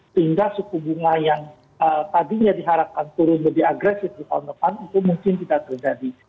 sehingga suku bunga yang tadinya diharapkan turun lebih agresif di tahun depan itu mungkin tidak terjadi